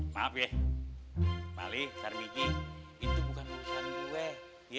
maaf ya mali sarmiji itu bukan urusan gue